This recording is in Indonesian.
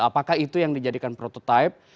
apakah itu yang dijadikan prototipe